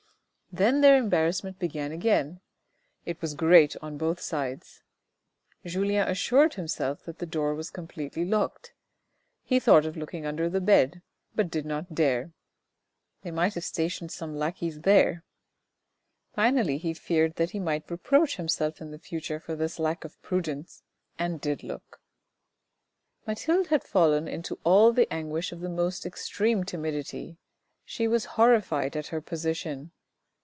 Then their embarrassment began again; it was great on both sides. Julien assured himself that the door was completely locked ; he thought of looking under the bed, but he did not dare ;" they might have stationed one or two lackeys there." Finally he feared that he might reproach himself in the future for this lack of prudence, and did look. 348 THE RED AND THE BLACK Mathilde had fallen into all the anguish of the most extreme timidity. She was horrified at her position.